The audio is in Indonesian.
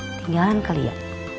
tinggalan kali ya